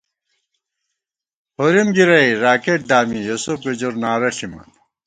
ہورِم گِرَئی راکېٹ دامی، یوسف گُجر نعرہ ݪِمان